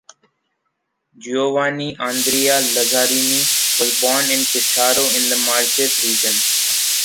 Giovanni Andrea Lazzarini was born in Pesaro in the Marches region.